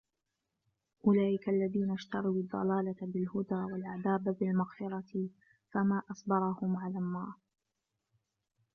أُولَئِكَ الَّذِينَ اشْتَرَوُا الضَّلَالَةَ بِالْهُدَى وَالْعَذَابَ بِالْمَغْفِرَةِ فَمَا أَصْبَرَهُمْ عَلَى النَّارِ